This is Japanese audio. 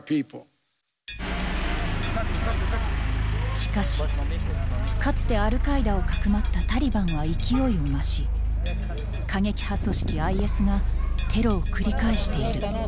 しかしかつてアルカイダをかくまったタリバンは勢いを増し過激派組織ＩＳがテロを繰り返している。